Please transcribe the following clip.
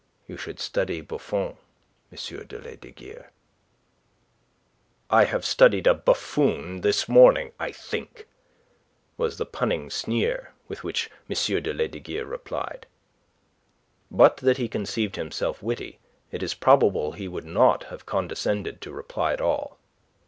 You should study Buffon, M. de Lesdiguieres." "I have studied a buffoon this morning, I think," was the punning sneer with which M. de Lesdiguieres replied. But that he conceived himself witty, it is probable he would not have condescended to reply at all.